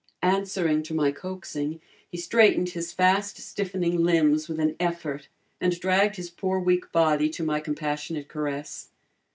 Answering to my coaxing, he straightened his fast stiffening limbs with an effort and dragged his poor weak body to my compassionate caress.